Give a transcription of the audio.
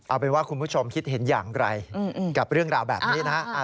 เอาเป็นว่าคุณผู้ชมคิดเห็นอย่างไรกับเรื่องราวแบบนี้นะ